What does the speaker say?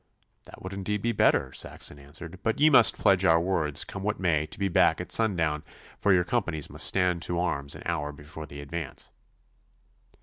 'That would indeed be better.' Saxon answered. 'But ye must pledge your words, come what may, to be back at sundown, for your companies must stand to arms an hour before the advance.